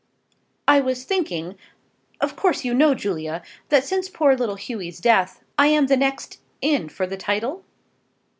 "I was thinking, of course you know, Julia, that since poor little Hughy's death, I am the next in for the title?"